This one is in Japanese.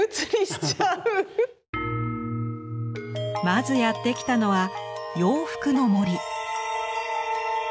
まずやって来たのは洋服の森。